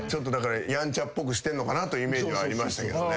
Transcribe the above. やんちゃっぽくしてんのかなとイメージありましたけどね。